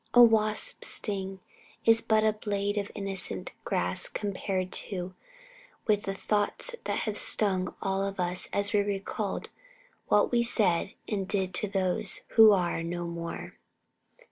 A wasp's sting is but a blade of innocent grass compared with the thoughts that have stung us all as we recalled what we said and did to those who are now no more.